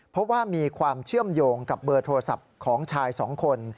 เพราะว่ามีความเชื่อมโยงกับเบอร์โทรศัพท์ของชายสองคน